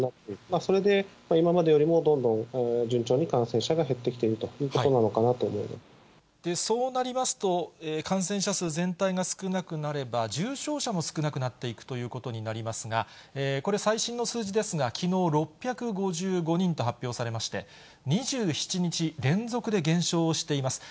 それで今までよりも、どんどん順調に感染者が減ってきているということなのかなと思いそうなりますと、感染者数全体が少なくなれば、重症者も少なくなっていくということになりますが、これ、最新の数字ですが、きのう、６５５人と発表されまして、２７日連続で減少しています。